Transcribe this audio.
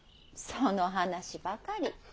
その話ばかり。